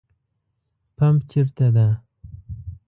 پمپ چیرته ده؟